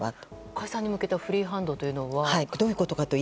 解散に向けたフリーハンドというのは？